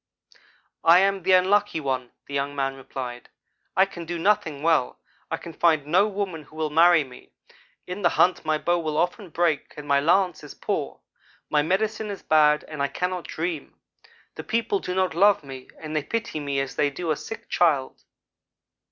"'I am the Unlucky one, ' the young man replied. 'I can do nothing well. I can find no woman who will marry me. In the hunt my bow will often break or my lance is poor. My medicine is bad and I cannot dream. The people do not love me, and they pity me as they do a sick child.'